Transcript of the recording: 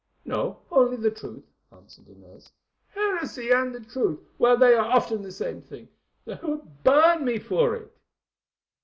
"No, only the truth," answered Inez. "Heresy and the truth—well, they are often the same thing. They would burn me for it."